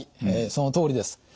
そのとおりです。